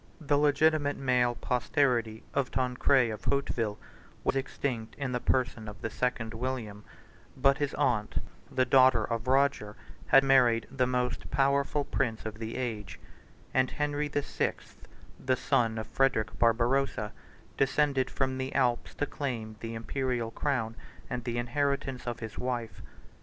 The legitimate male posterity of Tancred of Hauteville was extinct in the person of the second William; but his aunt, the daughter of Roger, had married the most powerful prince of the age; and Henry the Sixth, the son of Frederic Barbarossa, descended from the Alps to claim the Imperial crown and the inheritance of his wife.